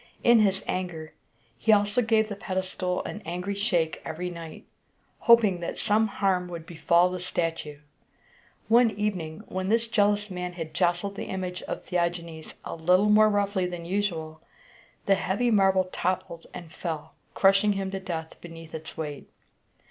In his anger, he also gave the pedestal an angry shake every night, hoping that some harm would befall the statue. One evening, when this jealous man had jostled the image of Theagenes a little more roughly than usual, the heavy marble toppled and fell, crushing him to death beneath its weight.